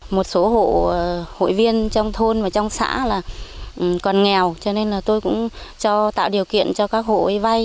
một số hộ hội viên trong thôn và trong xã là còn nghèo cho nên là tôi cũng cho tạo điều kiện cho các hộ vay